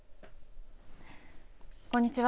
こんにちは。